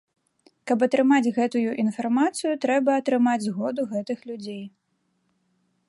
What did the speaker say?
Каб атрымаць гэтую інфармацыю, трэба атрымаць згоду гэтых людзей.